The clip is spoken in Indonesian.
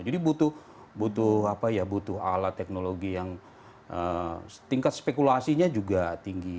jadi butuh alat teknologi yang tingkat spekulasinya juga tinggi